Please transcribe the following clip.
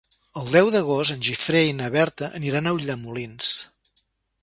El deu d'agost en Guifré i na Berta aniran a Ulldemolins.